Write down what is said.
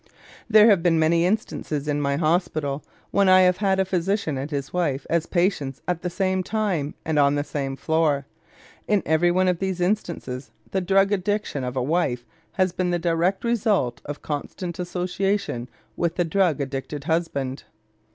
There have been many instances in my hospital when I have had a physician and his wife as patients at the same time and on the same floor. In every one of these instances the drug addiction of a wife has been the direct result of constant association with the drug addicted husband.